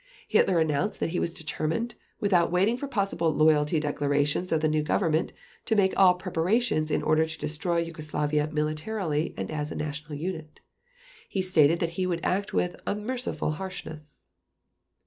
Hitler announced that he was determined, without waiting for possible loyalty declarations of the new Government, to make all preparations in order to destroy Yugoslavia militarily and as a national unit. He stated that he would act with "unmerciful harshness."